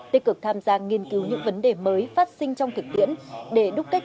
tích cực tham gia nghiên cứu những vấn đề mới phát sinh trong thực tiễn để đúc kết